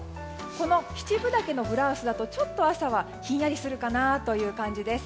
この七分丈のブラウスだとちょっと朝はひんやりするかなという感じです。